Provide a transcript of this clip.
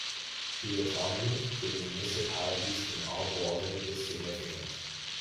The autonomy of the municipalities in Obwalden is significant.